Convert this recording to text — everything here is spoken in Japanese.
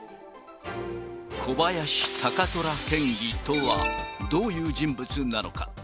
小林貴虎県議とは、どういう人物なのか。